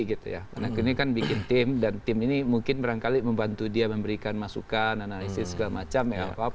karena ini kan bikin tim dan tim ini mungkin berangkali membantu dia memberikan masukan analisis segala macam